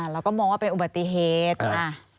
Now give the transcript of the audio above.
เราก็มองว่าเป็นอุบัติเหตุ